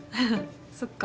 そっか。